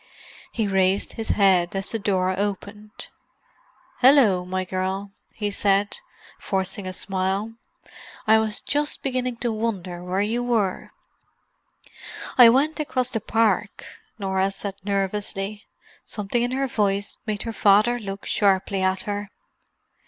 He raised his head as the door opened. "Hallo, my girl," he said, forcing a smile. "I was just beginning to wonder where you were." "I went across the park," Norah said nervously. Something in her voice made her father look sharply at her.